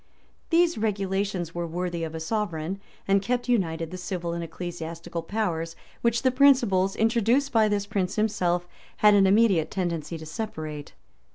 [] These regulations were worthy of a sovereign, and kept united the civil and ecclesiastical powers, which the principles, introduced by this prince himself, had an immediate tendency to separate.